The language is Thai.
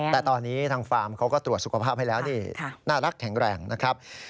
แต่ตอนนี้ทางฟาร์มเขาก็ตรวจสุขภาพให้แล้วนี่น่ารักแข็งแรงนะครับ